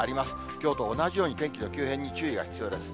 きょうと同じように天気の急変に注意が必要です。